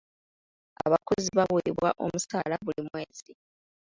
Abakozi baweebwa omusala buli mwezi.